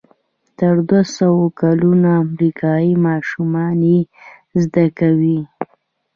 تر دوهسوه کلونو امریکایي ماشومان یې زده کوي.